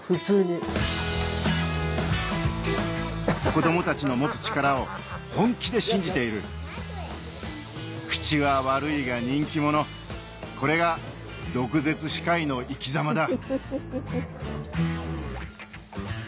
子供たちの持つ力を本気で信じている口は悪いが人気者これが毒舌歯科医の生き様だ